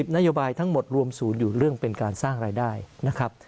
นโยบายทั้งหมดรวมศูนย์อยู่เรื่องเป็นการสร้างรายได้นะครับ